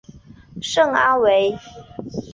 圣阿维。